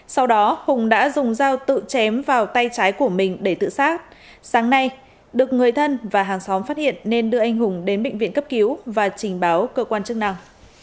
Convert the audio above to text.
sau đó hùng đã dùng dao tự chém vào tay trái của mình để tự sát sáng nay được người thân và hàng xóm phát hiện nên đưa anh hùng đến bệnh viện cấp cứu và trình báo cơ quan chức năng